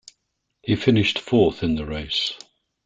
He finished fourth in the race.